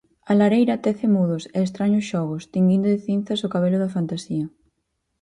A lareira tece mudos e estraños xogos, tinguindo de cinzas o cabelo da fantasía.